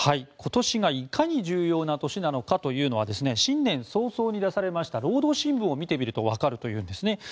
今年がいかに重要な年なのかというのは新年早々に出されました労働新聞を見てみるとわかるというんですね。